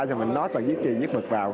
rồi mình nót và giết trì giết mực vào